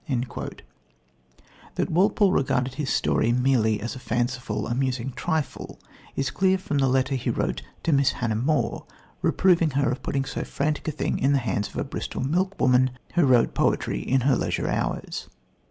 " That Walpole regarded his story merely as a fanciful, amusing trifle is clear from the letter he wrote to Miss Hannah More reproving her for putting so frantic a thing into the hands of a Bristol milkwoman who wrote poetry in her leisure hours.